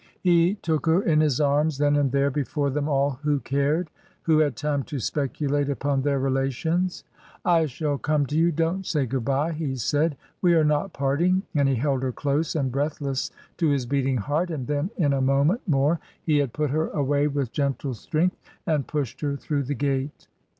He took her in his arms, then and there, before them all — who cared? — who had time to speculate upon their relations? "I shall come to you; don't say good bye," he said; "we are not parting," and he held her close and breathless to his beating heart, and then in a moment more he had put her away with gentle strength, and pushed her through the gate.